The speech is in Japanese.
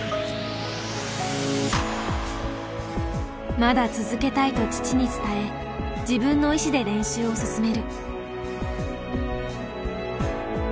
まだ続けたいと父に伝え自分の意志で練習を進める。